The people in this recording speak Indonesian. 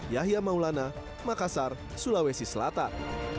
yahya maulana makassar sulawesi selatan